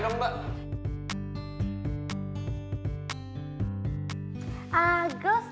mbak mbak kita berhubung kayak domba